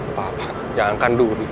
apa apa jangan kan duri